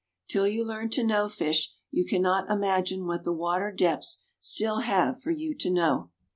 Till you learn to know fish you cannot imagine what the water depths still have for you to know.